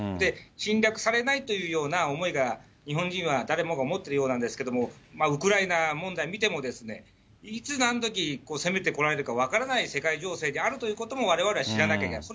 侵略されないというような思いが日本人は誰もが思ってるようなんですが、ウクライナ問題見ても、いつなんどき攻めてこられるような分からない世界情勢であるということも、われわれは知らなきゃいけない。